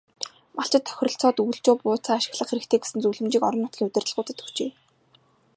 Малчид тохиролцоод өвөлжөө бууцаа ашиглах хэрэгтэй гэсэн зөвлөмжийг орон нутгийн удирдлагуудад өгчээ.